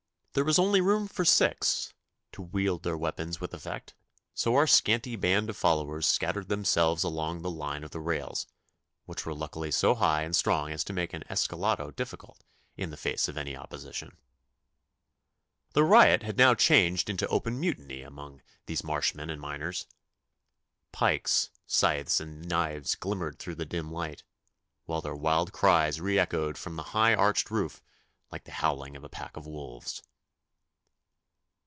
There was only room for six to wield their weapons with effect, so our scanty band of followers scattered themselves along the line of the rails, which were luckily so high and strong as to make an escalado difficult in the face of any opposition. The riot had now changed into open mutiny among these marshmen and miners. Pikes, scythes, and knives glimmered through the dim light, while their wild cries re echoed from the high arched roof like the howling of a pack of wolves.